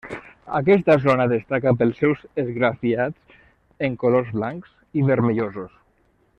Aquesta zona destaca pels seus esgrafiats, en colors blancs i vermellosos.